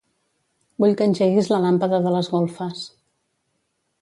Vull que engeguis la làmpada de les golfes.